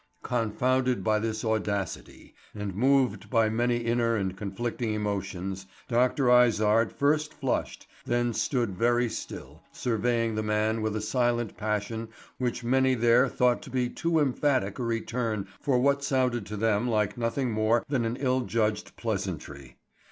Confounded by this audacity and moved by many inner and conflicting emotions, Dr. Izard first flushed, then stood very still, surveying the man with a silent passion which many there thought to be too emphatic a return for what sounded to them like nothing more than an ill judged pleasantry.